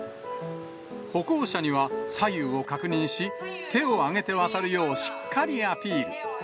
歩行者には左右を確認し、手を挙げて渡るようしっかりアピール。